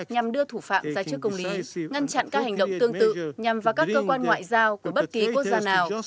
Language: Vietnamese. nhằm đưa thủ phạm ra trước công lý ngăn chặn các hành động tương tự nhằm vào các cơ quan ngoại giao của bất kỳ quốc gia nào